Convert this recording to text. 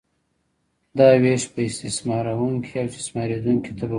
دا ویش په استثمارونکې او استثماریدونکې طبقو وو.